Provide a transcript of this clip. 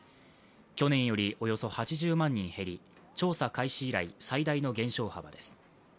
去年よりおよそ８０万人減り調査開始以来、最大の減少幅です。